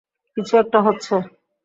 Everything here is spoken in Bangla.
কিছু একটা হচ্ছে।